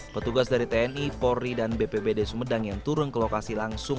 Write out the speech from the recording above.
petugas dari tni polri dan bpbd sumedang yang turun ke lokasi langsung